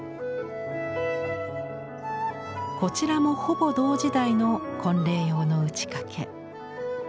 こちらもほぼ同時代の婚礼用の打掛。